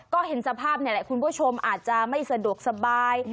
ก็เห็นสภาพนี่แหละคุณผู้ชมอาจจะไม่สะดวกสบาย